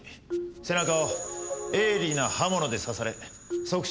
背中を鋭利な刃物で刺され即死状態でした。